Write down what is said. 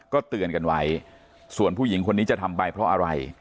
ก็เตือนกันไว้ส่วนผู้หญิงคนนี้จะทำไปเพราะอะไร